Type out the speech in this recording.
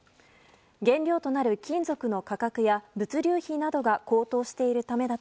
原料となる金属の価格や物流費などが高騰しているためだ